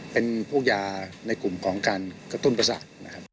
เป็นพวกยากลุ่มของการกระตุ้นประสาท